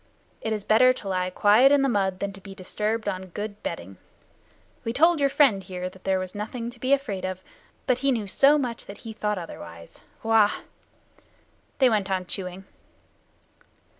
It is better to lie quiet in the mud than to be disturbed on good bedding. We told your friend here that there was nothing to be afraid of, but he knew so much that he thought otherwise. Wah!" They went on chewing.